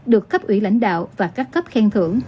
được cấp ủy lãnh đạo và các cấp khen thưởng